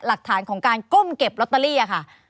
หลักฐานของการก้มเก็บลอตเตอรี่ค่ะ